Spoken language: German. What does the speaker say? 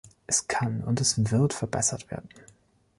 Es kann und es wird verbessert werden.